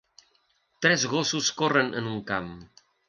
Tres gossos corren en un camp.